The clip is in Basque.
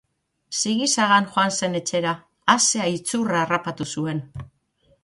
Sigi-sagan joan zen etxera! A ze aitzurra harrapatu zuen!